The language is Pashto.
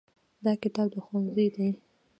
دا کتاب د ښوونځي دی.